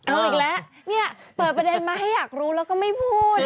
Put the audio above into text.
เอาอีกแล้วเนี่ยเปิดประเด็นมาให้อยากรู้แล้วก็ไม่พูด